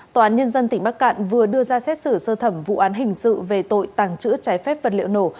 tòa án nhân dân tỉnh bắc cạn vừa đưa ra xét xử sơ thẩm vụ án hình sự về tội tàng trữ trái phép vật liệu nổ